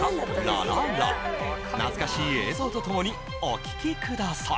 「ら・ら・ら」懐かしい映像とともにお聴きください